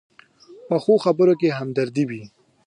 پخو خبرو کې همدردي وي